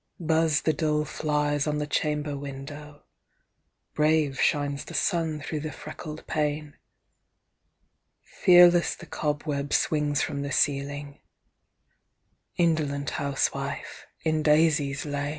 Buzz the dull flies on the chamber window; Brave shines the sun through the freckled pane; Fearless the cobweb swings from the ceiling Indolent housewife, in daisies lain!